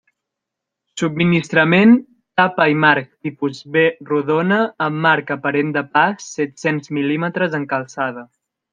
Subministrament tapa i marc Tipus B rodona amb marc aparent de pas set-cents mil·límetres en calçada.